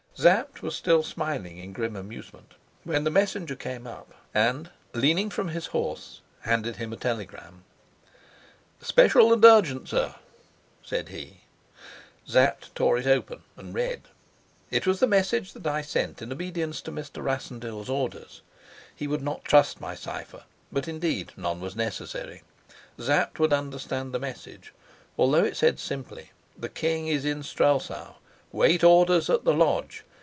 Sapt was still smiling in grim amusement when the messenger came up and, leaning from his home, handed him a telegram. "Special and urgent, sir," said he. Sapt tore it open and read. It was the message that I sent in obedience to Mr. Rassendyll's orders. He would not trust my cipher, but, indeed, none was necessary. Sapt would understand the message, although it said simply, "The king is in Strelsau. Wait orders at the lodge.